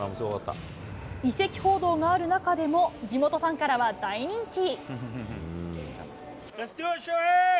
移籍報道がある中でも、地元ファンからは大人気。